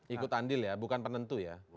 ikut andil ya bukan penentu ya